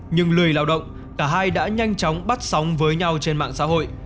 nhưng lười lao động cả hai đã nhanh chóng bắt sóng với nhau trên mạng xã hội